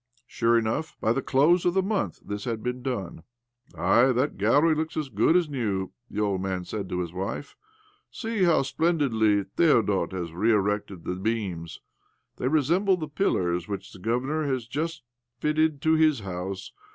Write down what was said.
Sure enough, by the close of the month this had been done. " Aye, that gallery looks as good as new," the old man said to his wife. " See how splendidly Thedot has re erected the beams ! They resemble the pillars which the Governor has just had fitted to his house.